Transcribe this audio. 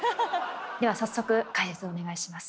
では早速解説お願いします。